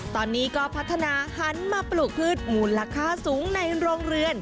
ตอนนี้ก็พัฒนาหันมาปลูกพืชมูลค่าสูงในโรงเรือน